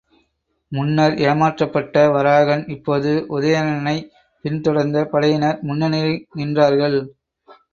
முன்னர் ஏமாற்றப்பட்ட வராகன் இப்போது உதயணனைப் பின்தொடர்ந்த படையினர் முன்னணியில் நின்றான்.